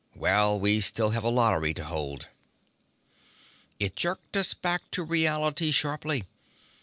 Well, we still have a lottery to hold!" It jerked us back to reality sharply.